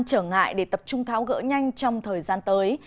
trở ngại để tập trung tháo gỡ nhanh trong thời gian tới